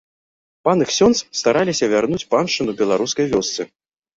Пан і ксёндз стараліся вярнуць паншчыну беларускай вёсцы.